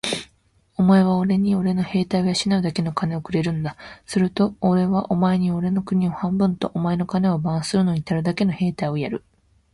お前はおれにおれの兵隊を養うだけ金をくれるんだ。するとおれはお前におれの国を半分と、お前の金を番するのにたるだけの兵隊をやる。